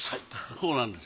そうなんです。